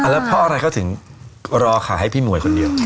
แล้วเพราะอะไรเขาถึงรอขายให้พี่หมวยคนเดียว